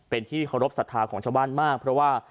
เป็นที่เคารพสัทธาของชาวบ้านมากเพราะว่า